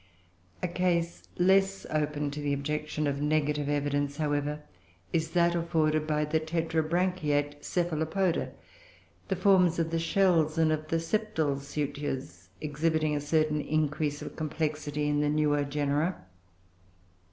A case less open to the objection of negative evidence, however, is that afforded by the Tetrabranchiate Cephalopoda, the forms of the shells and of the septal sutures exhibiting a certain increase of complexity in the newer genera.